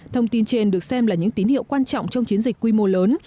thông tin trên được xem là những tín hiệu quan trọng trong chiến dịch quy mô lớn